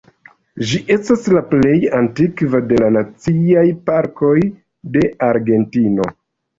Ĝi estas la plej antikva de la Naciaj Parkoj de Argentino.